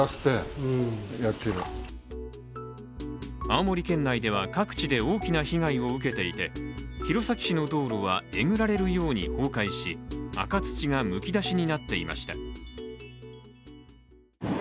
青森県内では各地で大きな被害を受けていて弘前市の道路はえぐられるように崩壊し、赤土がむき出しになっていました。